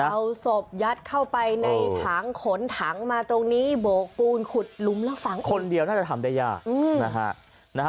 เอาศพยัดเข้าไปในถังขนถังมาตรงนี้โบกปูนขุดหลุมแล้วฝังคนเดียวน่าจะทำได้ยากนะฮะ